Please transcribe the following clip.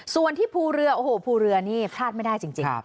ส่วนที่ภูเรือโอ้โหภูเรือนี่พลาดไม่ได้จริง